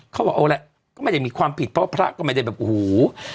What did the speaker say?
เขาบอกเอาแหละก็ไม่ได้มีความผิดเพราะพระก็ไม่ได้แบบโอ้โห